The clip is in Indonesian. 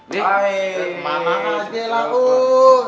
wah mana aja lah uuuh